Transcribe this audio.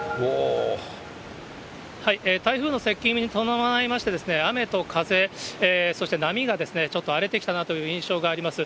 台風の接近に伴いまして、雨と風、そして波がちょっと荒れてきたなという印象があります。